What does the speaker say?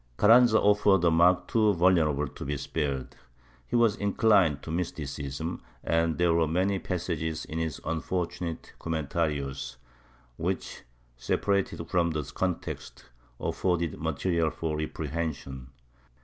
Carranza offered a mark too vulnerable to be spared. He was inclined to mysticism, and there were many passages in his unfor tunate Comeniarios which, separated from their context, afforded material for reprehension.